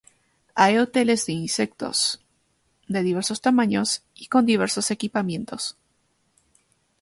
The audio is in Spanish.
Hay hoteles de insectos de diversos tamaños y con diversos equipamientos.